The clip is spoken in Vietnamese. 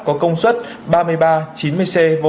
có công suất ba mươi ba chín mươi cv